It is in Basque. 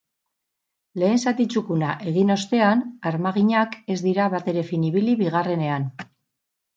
Lehen zati txukuna egin ostean, armaginak ez dira batere fin ibili bigarrenean.